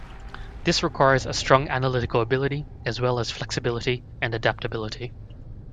This requires a strong analytical ability, as well as flexibility and adaptability.